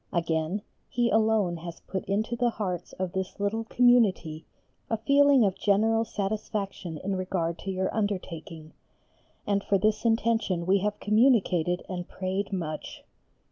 Again, He alone has put into the hearts of this little Community a feeling of general satisfaction in regard to your undertaking, and for this intention we have communicated and prayed much.